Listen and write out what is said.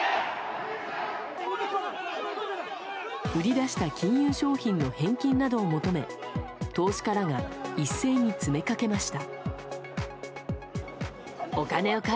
売り出した金融商品の返金などを求め投資家らが一斉に詰めかけました。